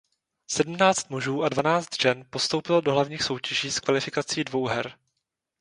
Sedmnáct mužů a dvanáct žen postoupilo do hlavních soutěží z kvalifikací dvouher.